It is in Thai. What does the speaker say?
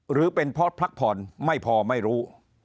หรือเป็นเพราะพักผ่อนไม่พอไม่รู้